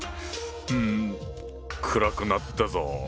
うん暗くなったぞ。